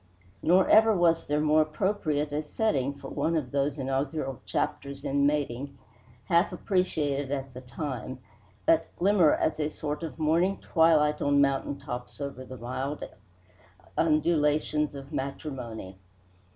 Nor ever was there more appropriate a setting for one of those inaugural chapters in mating, half appreciated at the time, that glimmer as a sort of morning twilight on mountain tops over the mild undulations of matrimony.